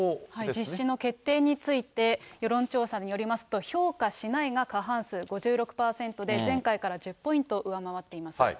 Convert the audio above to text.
実施の決定について、世論調査によりますと、評価しないが過半数、５６％で、前回から１０ポイント上回っています。